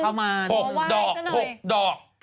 ขอไหว้ซะหน่อย๖ดอก